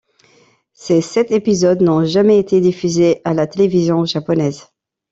Ces sept épisodes n'ont jamais été diffusés à la télévision japonaise.